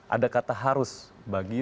ada kata harus bagi